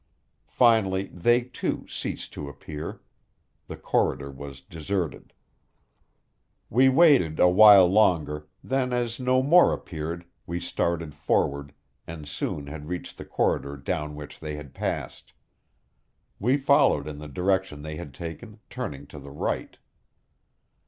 Finally they, too, ceased to appear; the corridor was deserted. We waited a while longer, then as no more appeared we started forward and soon had reached the corridor down which they had passed. We followed in the direction they had taken, turning to the right.